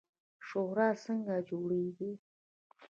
شورا څنګه جوړیږي؟